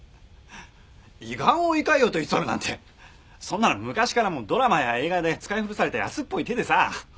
胃がんを胃潰瘍と偽るなんてそんなの昔からもうドラマや映画で使い古された安っぽい手でさ。